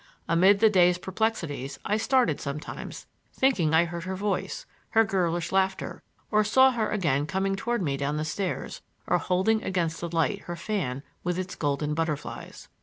Amid the day's perplexities I started sometimes, thinking I heard her voice, her girlish laughter, or saw her again coming toward me down the stairs, or holding against the light her fan with its golden butterflies.